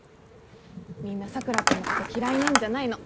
みんな佐倉君のこと嫌いなんじゃないの。